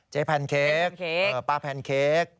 แพนเค้กป้าแพนเค้ก